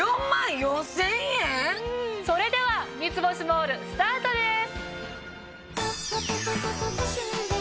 それでは『三ツ星モール』スタートです。